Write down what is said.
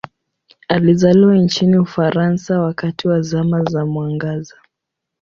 Alizaliwa nchini Ufaransa wakati wa Zama za Mwangaza.